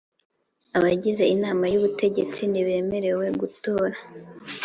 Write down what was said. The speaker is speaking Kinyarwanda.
Abagize Inama y Ubutegetsi ntibemerewe gutora